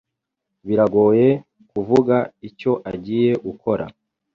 Biragoye kuvuga icyo agiye gukora.